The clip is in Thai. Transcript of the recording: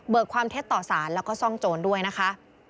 ความเท็จต่อสารแล้วก็ซ่องโจรด้วยนะคะ